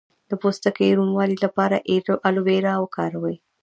د پوستکي روڼوالي لپاره ایلوویرا وکاروئ